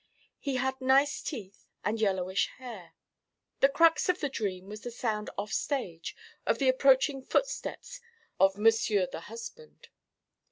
He had nice teeth and yellowish hair. The crux of the dream was the sound 'off stage' of the approaching footsteps of monsieur the husband.